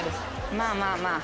まあまあまあ。